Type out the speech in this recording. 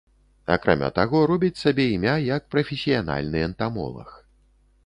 Акрамя таго робіць сабе імя як прафесіянальны энтамолаг.